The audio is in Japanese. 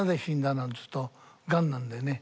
なんつうとがんなんだよね。